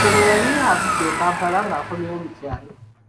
Olwo yali avudde e Kampala ng'akomyewo mu kyalo.